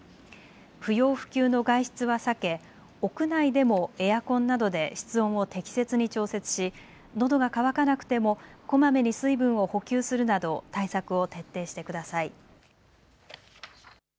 不要不急の外出は避け屋内でもエアコンなどで室温を適切に調節し、のどが渇かなくてもこまめに水分を補給するなど対策を徹底してください。